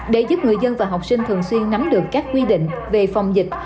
để giúp người dân và học sinh thường xuyên nắm được các quy định về phòng dịch